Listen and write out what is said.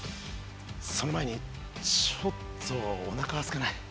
その前にちょっとおなかすかない？